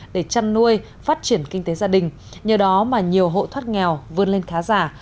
để chăn nuôi phát triển kinh tế gia đình nhờ đó mà nhiều hộ thoát nghèo vươn lên khá giả